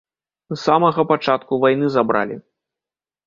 З самага пачатку вайны забралі.